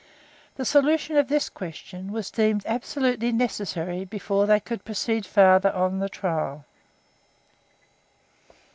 The solution of this question was deemed absolutely necessary before they could proceed farther on the trial.